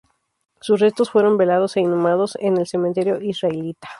Sus restos fueron velados e inhumados en el cementerio Israelita.